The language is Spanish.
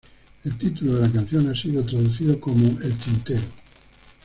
El título de la canción ha sido traducido como "El Tintero".